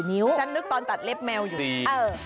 ฉันมีความนึกตอนตัดเล็บแมวอยู่